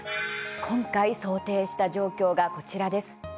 今回、想定した状況がこちらです。